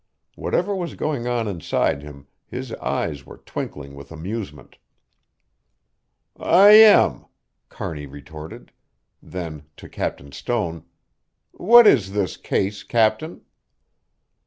Whatever was going on inside him, his eyes were twinkling with amusement. "I am," Kearney retorted; then to Captain Stone, "What is this case Captain?"